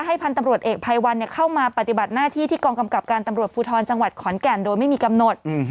พันธุ์ตำรวจเอกภัยวันเข้ามาปฏิบัติหน้าที่ที่กองกำกับการตำรวจภูทรจังหวัดขอนแก่นโดยไม่มีกำหนด